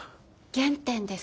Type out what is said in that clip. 原点ですか？